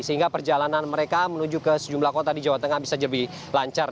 sehingga perjalanan mereka menuju ke sejumlah kota di jawa tengah bisa lebih lancar